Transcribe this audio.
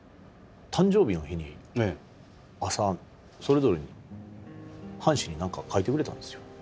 誕生日の日に朝それぞれに半紙に何か書いてくれたんですよ。